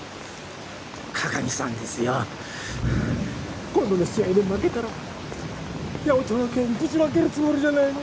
加賀見さんですよ。今度の試合で負けたら八百長の件ぶちまけるつもりじゃないの？